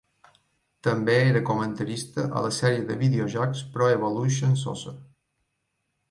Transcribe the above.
També era comentarista a la sèrie de videojocs "Pro Evolution Soccer".